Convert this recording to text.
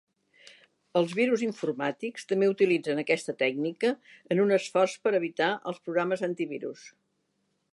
Els virus informàtics també utilitzen aquesta tècnica en un esforç per evitar els programes antivirus.